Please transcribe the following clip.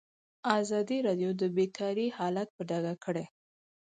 ازادي راډیو د بیکاري حالت په ډاګه کړی.